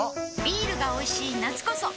ビールが美味しい夏こそ！